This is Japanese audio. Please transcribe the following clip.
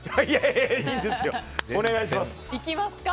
お願いします。